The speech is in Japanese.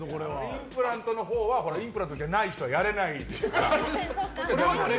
インプラントのほうはインプラントじゃない人はやれないですから。